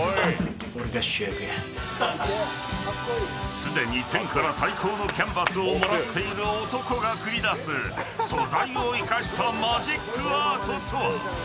すでに天から最高のキャンバスをもらっている男が繰り出す素材を生かしたマジックアートとは。